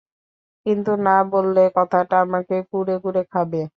কিন্তু না বললে কথাটা আমাকে কুঁড়ে কুঁড়ে খাবে।